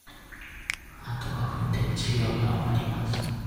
あと五分で授業が終わります。